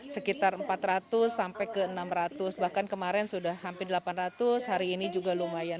sekitar empat ratus sampai ke enam ratus bahkan kemarin sudah hampir delapan ratus hari ini juga lumayan